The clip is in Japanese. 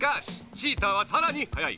チーターはさらにはやい。